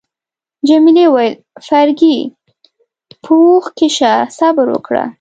جميلې وويل: فرګي، په هوښ کي شه، صبر وکړه.